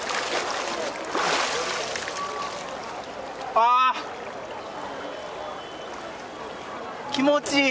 あー、気持ちいい。